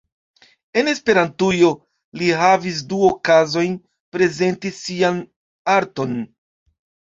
En Esperantujo li havis du okazojn prezenti sian arton.